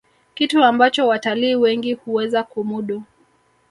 kitu ambacho watalii wengi huweza kumudu